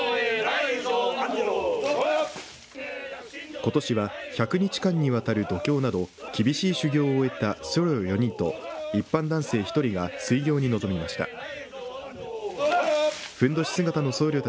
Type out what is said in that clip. ことしは１００日間にわたる読経など厳しい修行を終えた僧侶４人と一般男性１人が水行に臨みました。